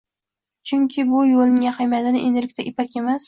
Chunki bu yoʻlning ahamiyatini endilikda ipak emas.